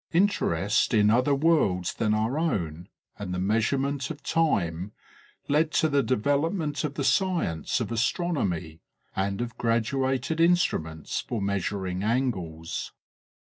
Interest in other worlds than our own, and the measurement of time, led to the development of the science of astronomy, and of graduated instruments for measuring angles.